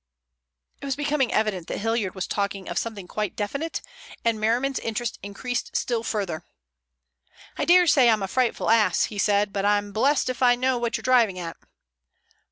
It was becoming evident that Hilliard was talking of something quite definite, and Merriman's interest increased still further. "I daresay I'm a frightful ass," he said, "but I'm blessed if I know what you're driving at."